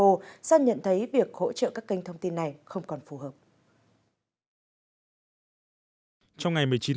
do nhận thấy việc hỗ trợ các kênh thông tin này không còn phù hợp